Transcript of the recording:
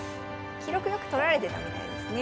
記録よく取られてたみたいですね。